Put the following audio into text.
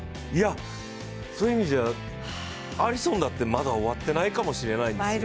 そういう意味じゃアリソンだってまだ終わってないかもしれないんですよ。